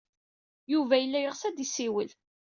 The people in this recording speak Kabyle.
Yuba yella yeɣs ad d-yessiwel.